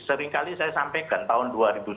seringkali saya sampaikan tahun dua ribu satu